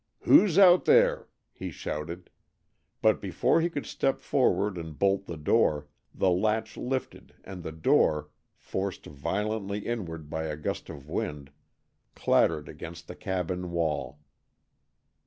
"Who's out there?" he shouted, but before he could step forward and bolt the door, the latch lifted and the door, forced violently inward by a gust of wind, clattered against the cabin wall.